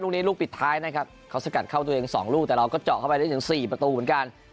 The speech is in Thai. ลูกนี้ลูกปิดท้ายนะครับเขาสกัดเข้าตัวเอง๒ลูกแต่เราก็เจาะเข้าไปได้ถึง๔ประตูเหมือนกัน